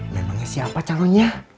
memangnya siapa calonnya